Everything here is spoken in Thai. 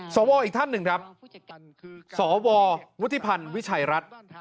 สวอีกท่านหนึ่งครับคือสววุฒิพันธ์วิชัยรัฐ